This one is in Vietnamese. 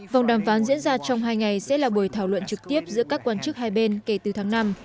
vòng đàm phán diễn ra trong hai ngày sẽ là buổi thảo luận trực tiếp giữa các quan chức hai bên kể từ tháng năm